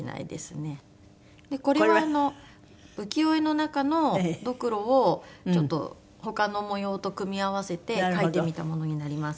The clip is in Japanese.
これは浮世絵の中のどくろをちょっと他の模様と組み合わせて描いてみたものになります。